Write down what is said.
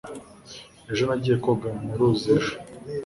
ejo nagiye koga mu ruzi ejo